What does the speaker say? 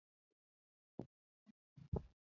Wabed mana kod kue.